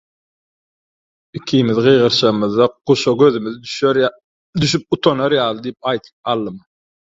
"Ikimiz gygyrşamyzda, guşa gözümiz düşüp utanar ýaly diýip aldym…"